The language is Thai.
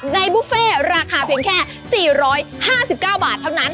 บุฟเฟ่ราคาเพียงแค่๔๕๙บาทเท่านั้น